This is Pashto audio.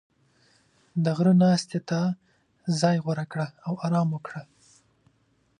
• د غره ناستې ته ځای غوره کړه او آرام وکړه.